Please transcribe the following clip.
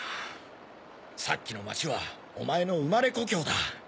さっきの町はお前の生まれ故郷だ。